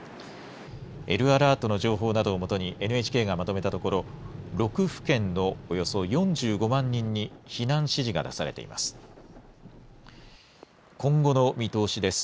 Ｌアラートの情報などをもとにＮＨＫがまとめたところ６府県のおよそ４５万人に避難指示が出されています。